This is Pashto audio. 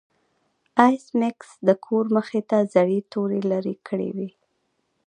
ایس میکس د کور مخې ته زړې توري لرې کړې وې